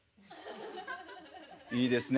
いいですね